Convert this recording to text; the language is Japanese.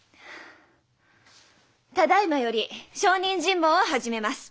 ただいまより証人尋問を始めます。